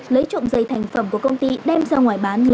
lấy trộm dây thành phẩm của công ty đem ra ngoài bán